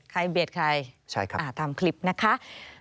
ใครเบียดใครตามคลิปนะคะใช่ครับ